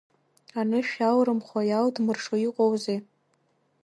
Анышә иалрымхуа, иалдмыршо иҟоузеи!